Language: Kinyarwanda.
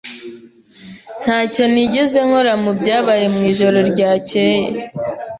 Ntacyo nigeze nkora mubyabaye mwijoro ryakeye.